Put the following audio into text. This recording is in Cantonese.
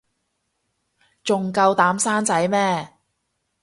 仲夠膽生仔咩